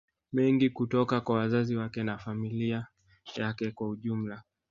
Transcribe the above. mengi kutoka kwa wazazi wake na familia yake kwa ujumla